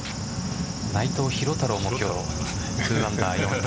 内藤寛太郎も２アンダー４位